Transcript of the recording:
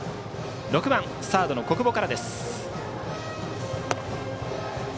６番サードの小久保からです。